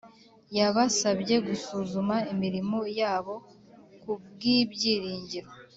yabasabye gusuzuma imirimo yabo ku bw’ibyiringiro.